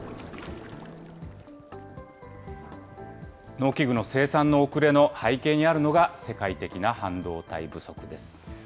農機具の生産の遅れの背景にあるのが、世界的な半導体不足です。